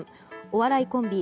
お笑いコンビ